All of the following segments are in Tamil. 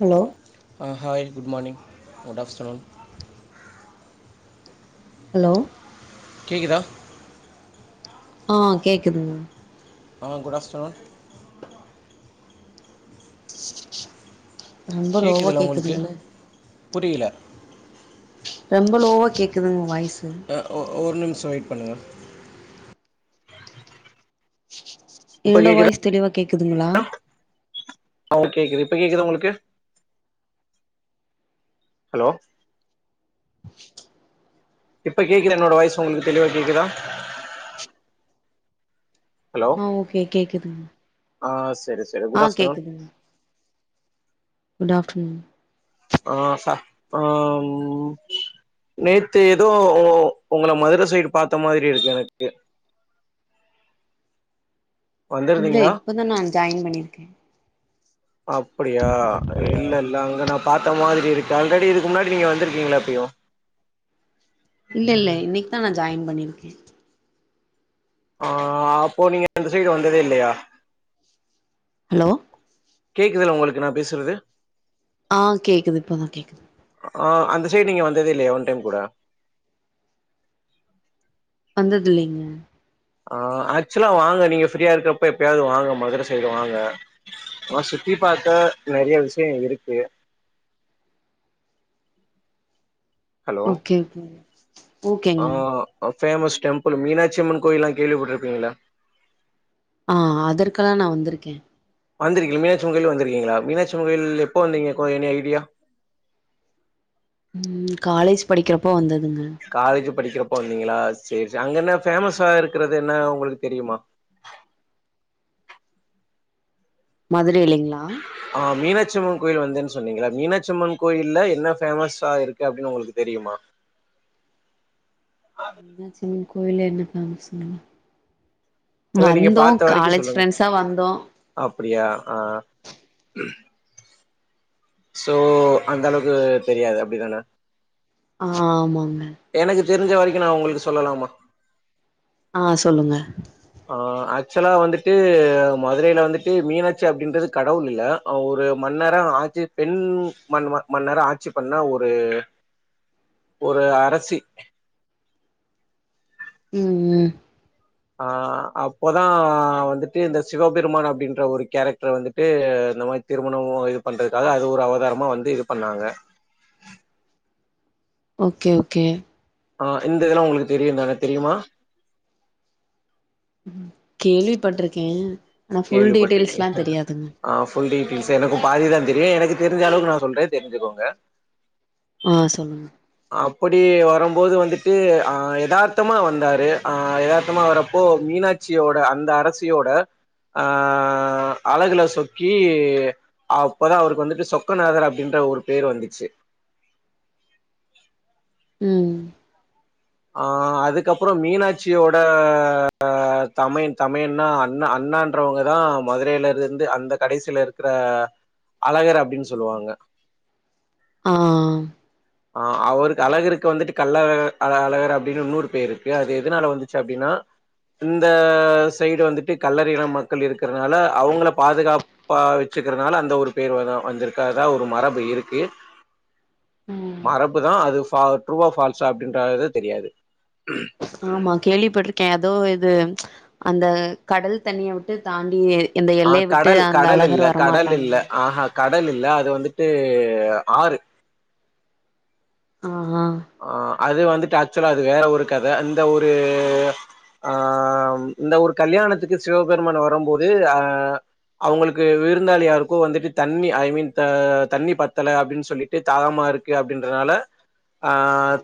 hello hi good morning good afternoon hello கேட்குதா ஆ கேக்குதுங்க ஆ குட் ஆஃப்டர்நூன் ரொம்ப லோவா கேக்குதுங்களா உங்களுக்கு கேக்குதுங்களே புரியல ரொம்ப லோவா கேட்குதுங்க வாய்ஸு ஒரு நிமிஷம் வெயிட் பண்ணுங்க இப்போ என்னோட வாய்ஸ் தெளிவா கேக்குதுங்களா ஓ கேக்குது இப்ப கேக்குது உங்களுக்கு ஹலோ இப்ப கேக்குதா என்னோட வாய்ஸ் உங்களுக்கு தெளிவா கேக்குதா ஹலோ ஆ ஓகே கேக்குதுங்க ஆ சரி ச ஆ கேக்குதுங்க குட் ஆஃப்டர்நூன் ஆ ச உ நேத்து ஏதோ உங்களை மதுர சைடு பாத்த மாதிரி இருக்கு எனக்கு இல்ல வந்திருந்தீங்களா இப்பதா நா ஜாயின் பண்ணியிருக்கே அப்டியா அப்டியா இல்லல் ல அங்க நா பாத்த மாதிரி இருக்கு ஆல்ரெடி இதுக்கு முன்னாடி நீங்க வந்துருக்கீங்களா எப்பயும் இல்ல இல்ல இன்னைக்கு தா நா ஜாயின் பண்ணிருக்கே ஆ அப்போ நீங்க அந்த சைடு வந்ததே இல்லையா ஹலோ கேக்குதா உங்களுக்கு நா பேசுறது ஆ கேக்குது இப்பதா கேக்குது ஆ அந்த சைட் நீங்க வந்ததே இல்லயா ஒன் டைம் கூட வந்ததில்லைங்க ஆ ஆக்சுவலா வாங்க நீங்க ஃப்ரீயா இருக்கப்ப எப்பயாவது வாங்க மதுர சைடு வாங்க சுத்தி பாக்க நெறையா விஷயோ இருக்கு ஹலோ ஓகே ஓகேங்க ஆ அ ஃபேமஸ் டெம்பிள் மீனாட்சியம்மன் கோவில்லா கேள்வி பட்ருப்பீங்கள்ல ஆ அதற்கெல்லா நா வந்துருக்கே வந்திருக்கீங்க மீனாட்சியம்மன் கோயில் வந்திருக்கீங்களா மீனாட்சியம்மன் கோயில் எப்ப வந்தீங்க கோ எனி ஐடியா [inaudible] ம் காலேஜ் படிக்கறப்போ வந்ததுங்க காலேஜ் படிக்கறப்போ வந்தீங்களா சேரி சரி அங்க என்ன ஃபேமஸா இருக்கறது என்ன உங்களுக்கு தெரியுமா மதுரைலிங்ளா ஆ மீனாட்சியம்மன் கோயில் வந்தேன்னு சொன்னீங்கல்ல மீனாட்சியம்மன் கோயில்ல என்ன ஃபேமஸா இருக்கு அப்டின்னு உங்களுக்கு தெரியுமா மீனாட்சி அம்மன் கோயில்ல என்ன ஃபேமஸ்சுங்க இல்ல நீங்க வந்தோ பாத்த வரைக்கு காலேஜ் சொல்லுங்க ஃப்ரெண்ட்ஸா வந்தோ அப்டியா ஆ சோ அந்த அளவுக்கு தெரியாது அப்டிதான ஆமாங்க எனக்கு தெரிஞ்ச வரைக்கு நா உங்களுக்கு சொல்லலாமா ஆ சொல்லுங்க ஆ ஆக்சுவலா வந்துட்டு மதுரைல வந்துட்டு மீனாட்சி அப்டின்றது கடவுள் இல்ல அ ஒரு மன்னரா ஆட்சி பெண் மன் மன்னரா ஆட்சி பண்ண ஒரு ஒரு அரசி ம் ம் ஆ அப்போதா வந்துட்டு இந்த சிவாபெருமான் அப்படின்ற ஒரு கேரக்டர் வந்துட்டு இந்த மாரி திருமணோ இது பண்றதுக்காக அது ஒரு அவதாரமா வந்து இது பண்ணாங்க ஓகே ஓகே ஆ இந்த இதல்லா உங்களுக்கு தெரியுந் தான தெரியுமா ம் கேள்விப்பட்ருக்கே ஆனா ஃபுல் டிட்டெய்ல்ஸ்லா கேள்விப்பட்டிருக்கீங்க தெரியாதுங்க ஆ ஃபுல் டிடைல்ஸ் எனக்கும் பாதி தா தெரியு எனக்கு தெரிஞ்சளவுக்கு நா சொல்ற தெரிஞ்சுக்கோங்க ஆ சொல்லுங்க அப்படி வரும்போது வந்துட்டு ஆ எதார்த்தமா வந்தாரு அ எதார்த்தமா வரப்போ மீனாட் ச்சியோட அந்த அரசியோட ஆ அழகுல சொக்கி அப்போதா அவருக்கு வந்துட்டு சொக்கநாதர் அப்டின்ற ஒரு பேரு வந்துச்சு ம் ஆ அதுக்கப்புறோ மீனாட்சியோட அ அ தமயன் தமையன்னா அண்ணா அண்ணான்றவுங்க தா மதுரைல இருந்து அந்த கடைசில இருக்கற அழகர் அப்டின் சொல்லுவாங்க ஆ ஆ அவருக்கு அழகருக்கு வந்துட்டு கள்ளழ அழகர் அப்டின்னு இன்னொரு பேர் இருக்கு அது எதனால வந்துச்சு அப்டின்னா இந்த சைடு வந்துட்டு கல்லரின மக்கள் இருக்கறனால அவுங்கள பாதுகாப் பா வச்சுக்கறனால அந்த ஒரு பேர் வ வந்துருக்கு அதா ஒரு மரபு இருக்கு ம் மரபு தா அது ஃப டூர்வா ஃபால்ஸா அப்டின்ற அது தெரியாது ஆமா கேள்விப்பட்ருக்கே எதோ இது அந்த கடல் தண்ணிய விட்டு தாண்டி இந்த ஆ எல்லைய விட்டு கடல் அந்த கடல் அழகர் இல்ல கடல் வரமாட்டாங்க இல்ல ஆஹா கடல் இல்ல அது வந்துட்டு ஆறு ஆஹா ஆ அது வந்துட்டு ஆக்சுவலா அது வேற ஒரு கத இந்த ஒரு ஆ இந்த ஒரு கல்யாணத்துக்கு சிவபெருமான் வரம்போது அ அவுங்களுக்கு விருந்தாலி யாருக்கோ வந்துட்டு தண்ணி ஐ மீன் த தண்ணி பத்தல அப்டின்னு சொல்லி ட்டு தாகமா இருக்கு அப்படின்றனால ஆ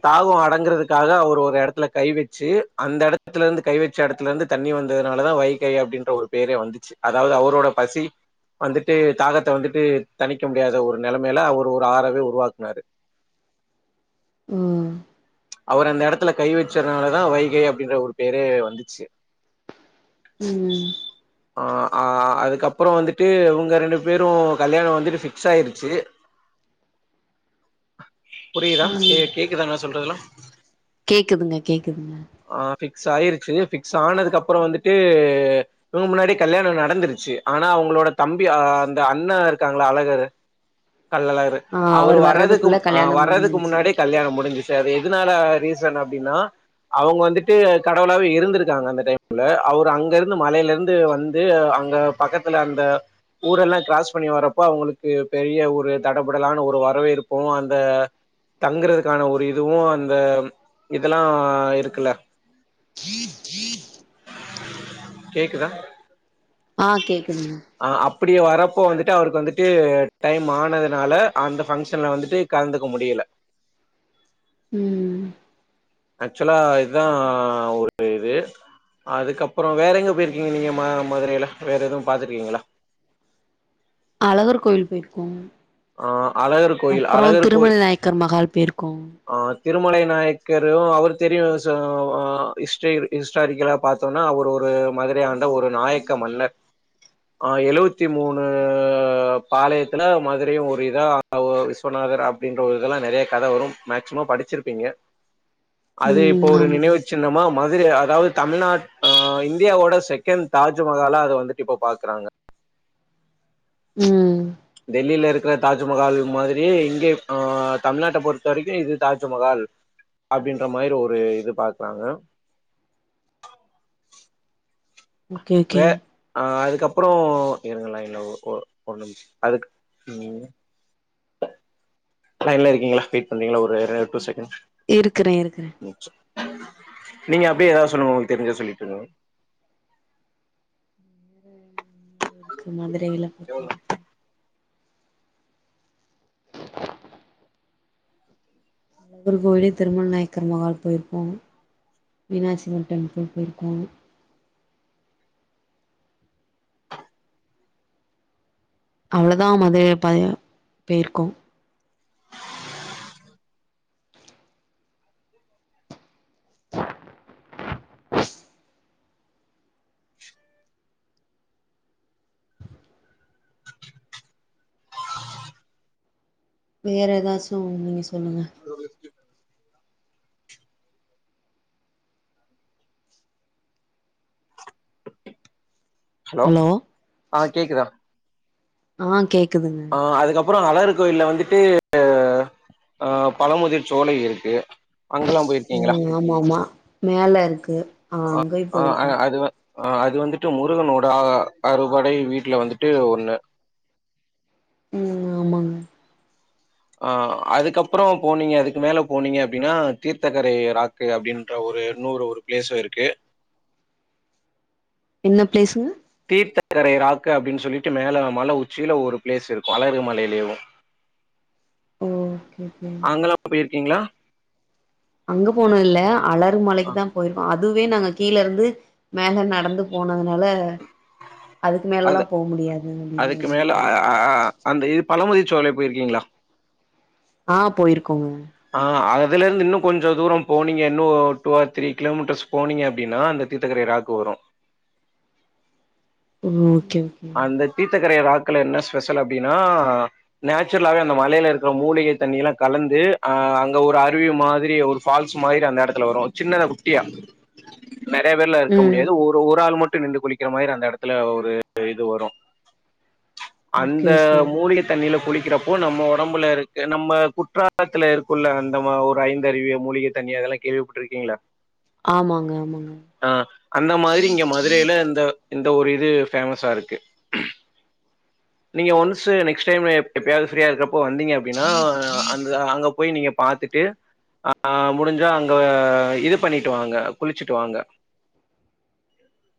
தாகோ அடங்குறதுக்காக அவர் ஒரு எடத்துல கை வச்சு அந்த எடத்துல இருந்து கை வ ச்ச இடத்துல இருந்து தண்ணி வந்ததுனாலதா வைகை அப்படின்ற ஒரு பேரே வந்துச்சு அதாவது அவரோட பசி வந்துட்டு தாகத்த வந்துட்டு தனிக்க முடியாத ஒரு நலமையில அவர் ஒரு ஆறவே உருவாக்குனாரு ம் அவர் அந்த எடத்துல கை வச்சனாலதா வைகை அப்படின்ற ஒரு பேரே வந்துச்சு ம் ஆ ஆ அதுக்கப்புற வந்துட்டு இவங்க ரெண்டு பேரு கல்யாணோ வந்துட்டு ஃபிக்ஸ் ஆயிருச்சு புரியுதா கே ம் கேக்குதா நா சொல்றதுலா கேக்குதுங்க கேக்குதுங்க ஆ ஃபிக்ஸ் ஆயிருச்சு ஃபிக்ஸ் ஆனதுக்குப்பறோ வந்துட்டு இவங்க முன்னாடி கல்யாணோ நடந்துருச்சு ஆனா அவங்களோட தம்பி அ அந்த அண்ணா இருக்காங்கள்ள அழகரு கள்ளழகரு ஆ அவரு அவர் வர்றதுக்கு வர்றதுக்குள்ள மு அ கல்யாணம் வர்றதுக்கு முடிஞ்சிருச்சு முன்னாடியே கல்யாணோ முடிஞ்சு எதுனால ரீசன் அப்டின்னா அவங்க வந்துட்டு கடவுளாவே இருந்திருக்காங்க அந்த டைம்ல அவர் அங்க இருந்து மலைல இருந்து வந்து அங்க பக்கத்துல அந்த ஊரெல்லா க்ராஸ் பண்ணி வரப்போ அவங்களுக்கு பெரிய ஒரு தடபுடலான ஒரு வறவேர்பு அந்த தங்குறதுக்கான ஒரு இதுவு அந்த இதுலா இருக்குல்ல ஜீன் ஜீன் கேக்குதா ஆ கேக்குதுங்க அ அப்டி வர்றப்போ வந்துட்டு அவருக்கு வந்துட்டு டைம் ஆனதுனால அந்த ஃபங்க்ஷன்ல வந்துட்டு கலந்துக்க முடியல ம் ஆக்சுவலா இதுதா ஒரு இது அதுக்கப்புறோ வேற எங்க போய்ருக்கீங்க நீங்க ம மதுரைல வேற எதுவு பாத்திருக்கீங்ளா அழகர் கோயில் போய்ர்க்கோ ஆ அழகர் கோயில் அப்றோ அழகர் திருமண கோயில் நாயக்கர் மகால் போயிருக்கோ ஆ திருமலை நாயக்கரு அவர் தெரியு ச அ இஸ்ட்ரி ஹிஸ்டாரிக்கலா பாத்தோன்னா அவரு ஒரு மதுரை ஆண்ட ஒரு நாயக்க மன்னர் ஆ எழுவத்தி மூணு பாளையத்துல மது ஒரு இதா ஒ விஸ்வநாதர் அப்டின்ற ஒரு இதெல்லா நெறையா கத வரு மேக்சிமம் படிச்சிருப்பீங்க அது இப்ப ம் ஒரு ஆமா நினைவுச் சின்னமா மதுரை அதாவது தமிழ்நாட் அ இந்தியாவோட செகண்ட் தாஜ்மஹாலா அத வந்துட்டு இப்ப பாக்குறாங்க ம் டெல்லில இருக்கிற தாஜ்மஹால் மாதிரியே இங்கே அ தமிழ்நாட்ட பொறுத்த வரைக்கு இது தாஜ்மஹால் அப்டின்ற மாரி ஒரு இது பாக்குறாங்க ஓகே ஓகே வே ஆ அதுக்கப்புறோ இருங்க லைன்ல ஒரு ஒரு நிமுசோ அதுக் ம் லைன்ல இருக்கீங்களா வெயிட் பண்றீங்களா ஒரு டூ செகண்டு இருக்குறே இருக்குறே நீங்க அப்டியே ஏதாது சொல்லுங்க ஒங்ளுக்கு தெரிஞ்சது சொல்லிட்ருங்க க்கு மதுரைல அழகர் கோவிலு திருமண நாயக்கர் மஹால் போயிருப்போ மீனாட்சி அம்மன் டெம்பிள் போய்ருக்கோ அவ்ளதா மதுரைல ப போய்ருக்கோ வேற ஏதாச்சு நீங்க சொல்லுங்க ஹலோ ஆ கேக்குதா ஆ கேக்குதுங்க அ அதுக்கப்றோ அழகர் கோயில்ல வந்துட்டு அ பழமுதிர் சோலை இருக்கு அங்கெல்லா போயிருக்கீங்களா ம் ஆமா ஆமா மேலருக்கு ஆ ஆ அ அது வந் அ அது வந்துட்டு முருகனோட அ அறுபடை வீட்ல வந்துட்டு ஒண்ணு ம் ஆமாங்க ஆ அதுக்கப்றோ போனீங்க அதுக்கு மேல போனீங்க அப்டின்னா தீர்த்தகரை ரா க்கு அப்டின்ற ஒரு இன்னோரு ஒரு பிளேசு இருக்கு என்ன பிளேசுங்க தீர்த்தகரை ராக்கு அப்டின் சொல்லிட்டு மேல மல உச்சில ஒரு பிளேஸ் இருக்கு அழகர் மலயிலேவு ஓ ஓகே ஓகே போய்ருக்கீங்ளா அங்க போனதுல்ல அழர் அ மலைக்குதா போயிர்கோ அதுவே நாங்க கீழ இருந்து மேல நடந்து போனதுனால அதுக்கு மேலலா அது போ முடியாது அப்டின் அதுக்கு மேல இருந்துட்டோ அ அ அ அந்த இது பழமுதிர்சோலை போய்ருக்கீங்ளா ஆ போயிருக்கோங்க ஆ அதுல இருந்து இன்னோ கொஞ்சோ தூரோ போனீங்க இன்னோ டூ ஆர் த்ரீ கிலோமீட்டர்ஸ் போனீங்க அப்டின்னா அந்த தீர்த்தக்கரை ராக்கு வரு [unintelligible] ஓகே ஓகே அந்த தீத்தக்கரை ராக்குல என்ன ஸ்பெஷல் அப்டின்னா நேச்சுரலாவே அந்த மலெல இருக்ற மூலிகை தண்ணிலா கலந்து ஆ அங்க ஒரு அருவி மாதிரி ஒரு ஃபால்ஸ் மாரி அந்த இடத்துல வரு சின்னதா குட்டியா நெறய பேர்லா இருக்க ம் முடியாது ஒரு ஒரு ஆள் மட்டு நின்டு குளிக்கிற மாரி அந்த எடத்துல ஒரு இது வரு அந்த ஓகே ஓகே மூலிக தண்ணில குளிக்கிறப்போ நம்ம ஒடம்புல இருக்கு நம்ம குற்றாலத்துல இருக்குள்ள அந்த ம ஒரு ஐந்தருவி மூலிகை தண்ணி அதெல்லா கேள்விப்பட்ருக்கீங்ளா ஆமாங்க ஆமாங்க ஆ அந்த மாரி இங்க மதுரைல இந்த இந்த ஒரு இது ஃபேமஸ்சா இருக்கு நீங்க ஒன்ஸ்சு நெக்ஸ்ட் டைம் எப்பயாவது ஃப்ரீயா இருக்கப் போ வந்தீங்க அப்டின்னா அந்த அங்க போய் நீங்க பாத்துட்டு ஆ முடிஞ்சா அங்க இது பண்ணிட்டு வாங்க குளிச்சுட்டு வாங்க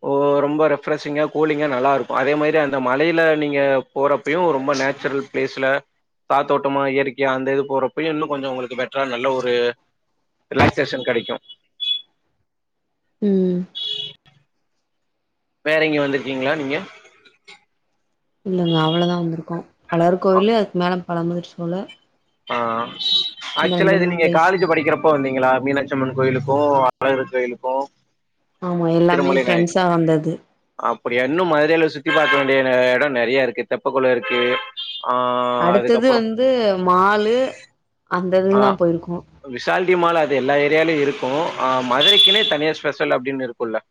ஓ ரொம்ப ரெஃப்ரெஷிங்கா கூலிங்கா நல்லாருக்கு அதே மாரி அந்த மலைல நீங்க போறப்பயு ரொம்ப நேச்சுரல் பிளேஸ்ல காத்தோட்டமா இயற்கையா அந்த இது போறப்பயு இன்னு கொஞ்சோ உங்களுக்கு பெட்ரா நல்ல ஒரு ரிலாக்சேஷன் கெடைக்கு ம் வேற இங்க வந்திருக்கீங்ளா நீங்க இல்லங்க அவ்ளோதா வந்துருக்கோ அழகர் கோவிலு அதுக்கு மேல பழமுதிர் சோல ஆ இந்த ஆக்சுவலா ரெண்டு இது மூணு நீங்க பிளேஸ் காலேஜ் படிக்கற ப்ப வந்தீங்ளா மீனாட்சி அம்மன் கோயிலுக்கு அழகர் கோயிலுக்கு ஆமா எல்லாமே ஃப்ரெண்ட்ஸ்சா வந்தது அப்டியா இன்னு மதுரைல சுத்தி பாக்க வேண்டிய எடோ நெறைய இருக்கு தெப்ப கொளோ இருக்கு ஆ அடுத்தது அதுக்கப்புறோ வந்து மாலு அந்த இதுதா போயிருக்கோ விசால்டி மால் அது எல்லா ஏரியாலயு இருக்கு அ மதுரைக்குனே தனியா ஸ்பெஷல் அப்டின்னு இருக் குள்ள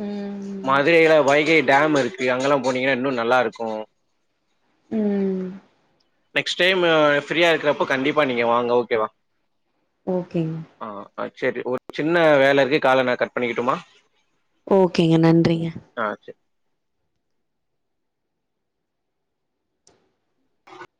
ம் மதுரைல வைகை டேம் இருக் அங்கெல்லா போனீங்கன்னா இன்னு நல்லா இருக்கு ம் நெக்ஸ்ட் டைம் ப்ரியா இருக்கிறப்ப கண்டிப்பா நீங்க வாங்க ஓகே வா ஓகேங் ஆ சேரி ஒரு சின்ன வேல இருக்கு கால நா கட் பண்ணிக்கட்டுமா ஓகேங்க நன்றிங்க ஆ சேர் [inaudible]